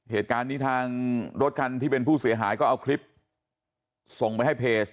เหตุการณ์นี้ทางรถคันที่เป็นผู้เสียหายก็เอาคลิปส่งไปให้เพจ